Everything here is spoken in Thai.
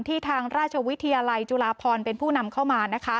ทางราชวิทยาลัยจุฬาพรเป็นผู้นำเข้ามานะคะ